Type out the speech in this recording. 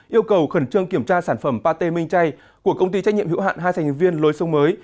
yêu cầu khẩn trương kiểm tra sản phẩm pate minh chay của công ty trách nhiệm hữu hạn hai thành viên lối sông mới